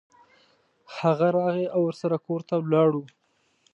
هغه راغی او ورسره کور ته ولاړو.